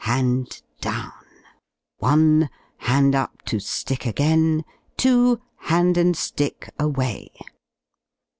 Hand down; 1. Hand up to ^ick again; 2. Hand and ^ick away.